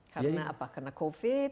karena apa karena covid